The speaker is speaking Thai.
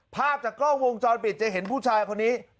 ภาพจากกล้องวงจรปิดจะเห็นผู้ชายคนนี้